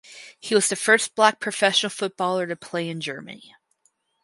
He was the first Black professional footballer to play in Germany.